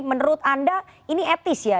menurut anda ini etis ya